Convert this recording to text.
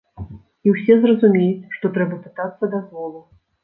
І усе зразумеюць, што трэба пытацца дазволу.